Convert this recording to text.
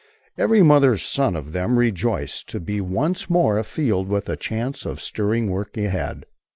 Every mother's son of them rejoiced to be once more afield with a chance of stirring work ahead.